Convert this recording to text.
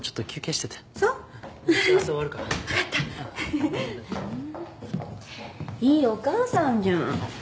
ふんいいお母さんじゃん。